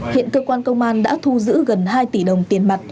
hiện cơ quan công an đã thu giữ gần hai tỷ đồng tiền mặt